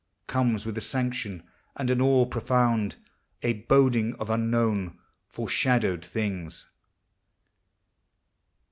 Comes with a sanction and an awe profound, A boding of unknown, foreshadowed things.